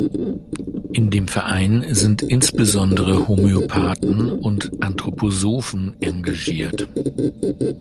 In dem Verein sind insbesondere Homöopathen und Anthroposophen engagiert.